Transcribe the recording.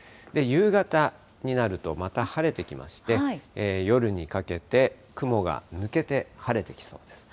夕方になると、また晴れてきまして、夜にかけて雲が抜けて晴れてきそうです。